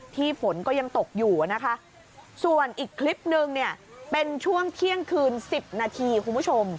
ฝนก็ยังตกอยู่นะคะส่วนอีกคลิปนึงเนี่ยเป็นช่วงเที่ยงคืน๑๐นาทีคุณผู้ชม